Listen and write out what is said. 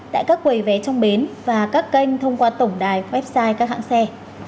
tại các quầy vé trong bến và các kênh thông qua tổng đài website các hãng xe